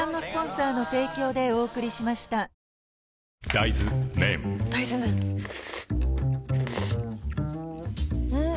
大豆麺ん？